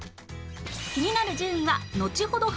気になる順位はのちほど発表